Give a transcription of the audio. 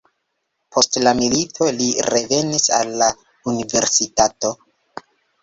Post la milito li revenis al la universitato.